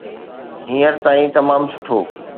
هينئر تائين تمام سٺو.